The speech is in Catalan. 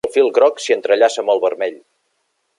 El fil groc s'hi entrellaça amb el vermell.